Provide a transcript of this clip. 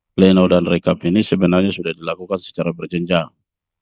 pleno dan rekap ini sebenarnya sudah dilakukan secara berjenjang